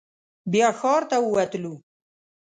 بیا ښار ته ووتلو.